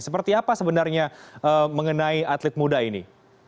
seperti apa sebenarnya mengenai atlet muda ini